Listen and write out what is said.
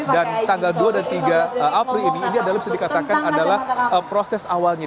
dan tanggal dua dan tiga april ini ini adalah bisa dikatakan adalah proses awalnya